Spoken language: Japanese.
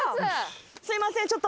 すみません